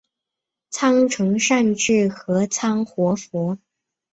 仓成善智合仓活佛。